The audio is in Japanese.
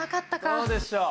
どうでしょう？